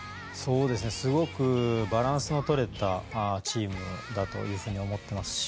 すごくバランスの取れたチームだというふうに思ってますし